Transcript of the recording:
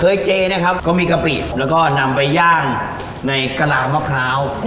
เจนะครับเขามีกะปิแล้วก็นำไปย่างในกะลามะพร้าว